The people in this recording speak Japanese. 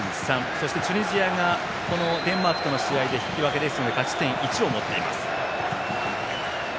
そして、チュニジアがデンマークとの試合で引き分けですので勝ち点１を持っています。